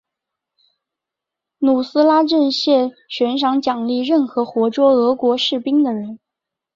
努斯拉阵线悬赏奖励任何活捉俄军士兵的人。